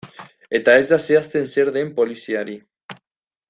Eta ez da zehazten zer den poliziari.